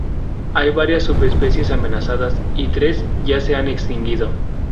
Hay varias subespecies amenazadas y tres ya se han extinguido.